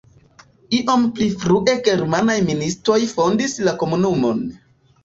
Iom pli frue germanaj ministoj fondis la komunumon.